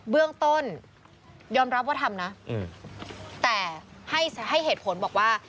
เบื้องต้นยอมรับว่าทำนะแต่ให้เหตุผลบอกว่า